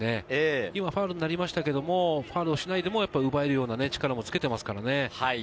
今、ファウルになりましたけど、ファウルをしない、でも奪えるような力をつけています。